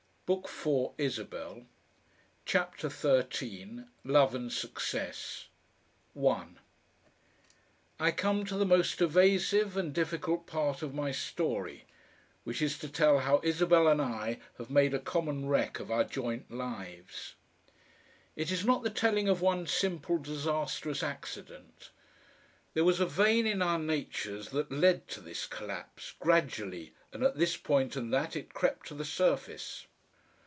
BOOK THE FOURTH: ISABEL CHAPTER THE FIRST ~~ LOVE AND SUCCESS 1 I come to the most evasive and difficult part of my story, which is to tell how Isabel and I have made a common wreck of our joint lives. It is not the telling of one simple disastrous accident. There was a vein in our natures that led to this collapse, gradually and at this point and that it crept to the surface.